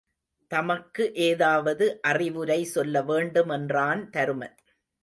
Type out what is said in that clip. தமக்கு ஏதாவது அறிவுரை சொல்ல வேண்டுமென்றான் தருமன்.